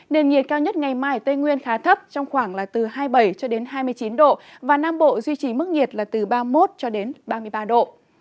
điện nhiệt cao nhất ngày mai ở tây nguyên khá thấp trong khoảng hai mươi bảy hai mươi chín độ nam bộ duy trì mức nhiệt ba mươi một ba mươi ba độ